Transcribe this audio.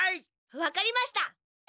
分かりました！